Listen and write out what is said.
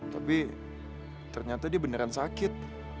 tapi ternyata dia beneran sakit